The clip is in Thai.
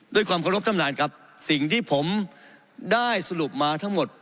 ด้วยความเคารพท่านประธานครับสิ่งที่ผมได้สรุปมาทั้งหมด